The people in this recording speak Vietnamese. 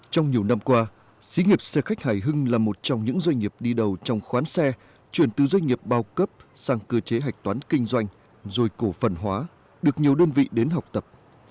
trong nhiều năm qua xí nghiệp xe khách hải hưng là một trong những doanh nghiệp đi đầu trong khoán xe chuyển từ doanh nghiệp bao cấp sang cơ chế hạch toán kinh doanh rồi cổ phần hóa được nhiều đơn vị đến học tập